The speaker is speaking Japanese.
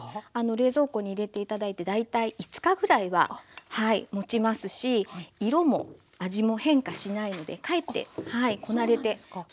冷蔵庫に入れて頂いて大体５日ぐらいはもちますし色も味も変化しないのでかえってこなれておいしくなります。